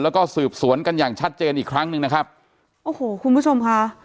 แล้วก็สืบสวนกันอย่างชัดเจนอีกครั้งหนึ่งนะครับโอ้โหคุณผู้ชมค่ะ